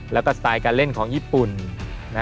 แล้วก็สไตล์การเล่นของญี่ปุ่น